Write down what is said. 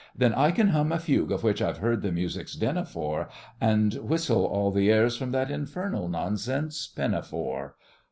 Then I can hum a fugue of which I've heard the music's din afore, And whistle all the airs from that infernal nonsense Pinafore.